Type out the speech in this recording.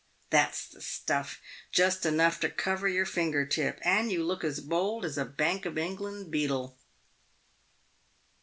That's the stuff. Just enough to cover your finger tip, and you look as bold as a Bank of England beadle."